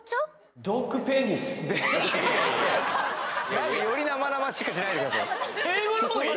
なんかより生々しくしないでください